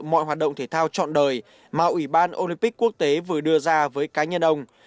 mọi hoạt động thể thao chọn đời mà ủy ban olympic quốc tế vừa đưa ra với cá nhân ông